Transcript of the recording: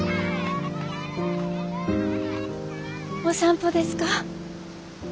お散歩ですか？